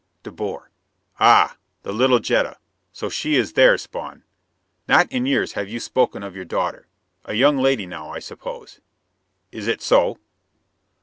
De Boer: "Ah the little Jetta! So she is there, Spawn? Not in years have you spoken of your daughter. A young lady now, I suppose. Is it so?"